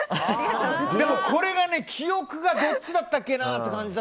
でも記憶がどっちだったっけなって。